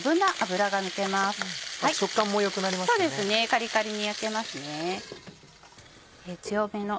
カリカリに焼けます。